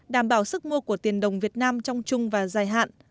đảm bảo sức mua của tiền đồng việt nam trong chung và dài hạn